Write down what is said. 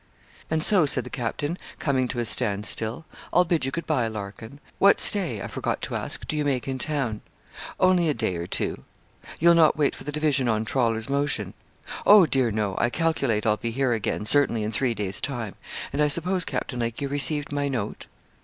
'And so,' said the captain, coming to a stand still, 'I'll bid you good bye, Larkin; what stay, I forgot to ask, do you make in town?' 'Only a day or two.' 'You'll not wait for the division on Trawler's motion?' 'Oh, dear, no. I calculate I'll be here again, certainly, in three days' time. And, I suppose, Captain Lake, you received my note?'